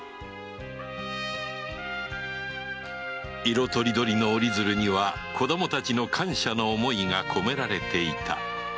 色とりどりの折り鶴には子供達の感謝の思いが込められていた